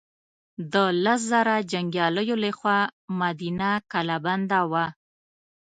د لس زره جنګیالیو له خوا مدینه کلا بنده وه.